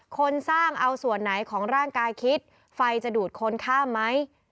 คนสร้างเอาส่วนไหนของร่างกายคิดไฟจะดูดคนข้ามไหม